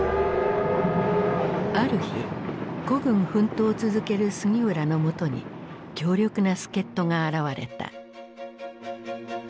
ある日孤軍奮闘を続ける杉浦の元に強力な助っ人が現れた。